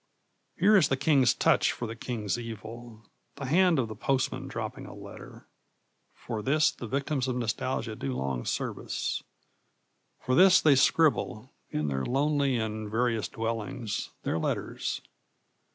Here is the king's touch for the king's evil the hand of the postman dropping a letter. For this the victims of nostalgia do long service. For this they scribble, in their lonely and various dwellings, their letters.